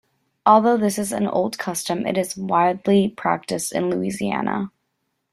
Although this is an old custom, it is still widely practiced in Louisiana.